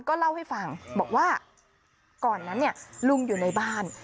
ก็เล่าให้ฟังบอกว่าก่อนนั้นเนี่ยลุงอยู่ในบ้าน